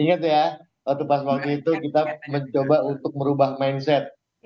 ingat ya waktu pas waktu itu kita mencoba untuk merubah mindset